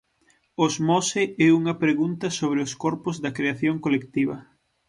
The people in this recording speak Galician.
Osmose é unha pregunta sobre os corpos da creación colectiva.